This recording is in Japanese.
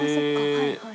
はいはい。